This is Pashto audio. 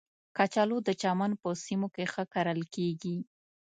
کچالو د چمن په سیمو کې ښه کرل کېږي